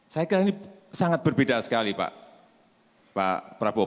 saya kira ini sangat berbeda sekali pak prabowo